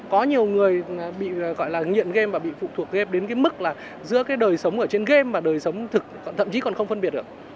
có nhiều người bị gọi là nghiện game và bị phụ thuộc đến cái mức là giữa cái đời sống ở trên game và đời sống thực thậm chí còn không phân biệt được